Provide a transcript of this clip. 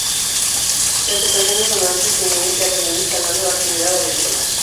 Las depresiones son amplias y en ellas se ha venido instalando la actividad agrícola.